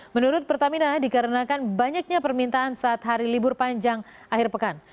menurut pertamina dikarenakan banyaknya permintaan saat hari libur panjang akhir pekan